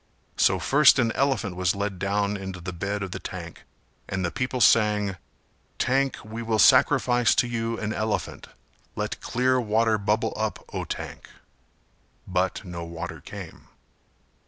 So first an elephant was led down into the bed of the tank and the people sang "Tank, we will sacrifice to you an elephant Let clear water bubble up, O tank," but no water came.